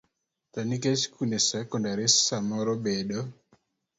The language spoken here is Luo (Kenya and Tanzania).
To nikech skunde sekondar samoro bedo